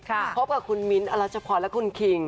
ค่ะค่ะค่ะครับพบกับคุณมิ้นต์ลัชพรและคุณคิง